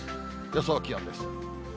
予想気温です。